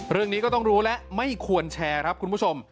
เรื่องนี้ก็ต้องรู้และไม่ควรแชร์ครับคุณผู้ชม